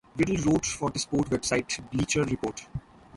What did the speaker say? Riddle wrote for the sports website Bleacher Report.